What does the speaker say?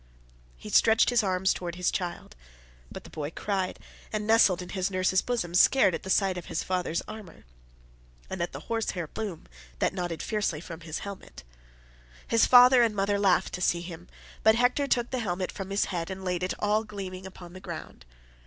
He stretched his arms towards his child, but the boy cried and nestled in his nurse's bosom, scared at the sight of his father's armour, and at the horse hair plume that nodded fiercely from his helmet. His father and mother laughed to see him, but Hector took the helmet from his head and laid it all gleaming upon the ground.